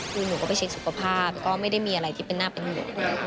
กลุ่มนูก็ไปเช็คสุขภาพก็ไม่ได้มีอะไรที่เป็นหน้าให้ที่เรา